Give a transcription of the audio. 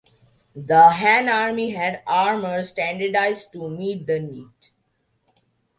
The Han army had armour standardized to meet the need.